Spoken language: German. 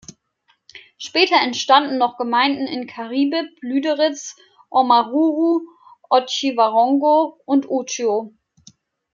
Später entstanden noch Gemeinden in Karibib, Lüderitz, Omaruru, Otjiwarongo und Outjo.